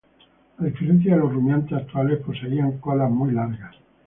A diferencia de los rumiantes actuales, poseían colas muy largas.